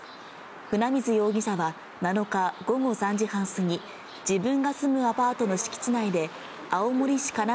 船水容疑者は７日午後３時半過ぎ、自分が住むアパートの敷地内で青森市かな